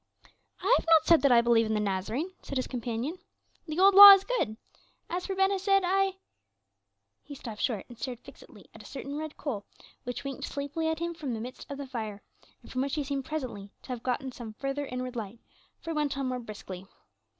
"I have not said that I believe in the Nazarene," said his companion. "The old law is good; as for Ben Hesed, I " he stopped short and stared fixedly at a certain red coal which winked sleepily at him from the midst of the fire, and from which he seemed presently to have gotten some further inward light, for he went on more briskly.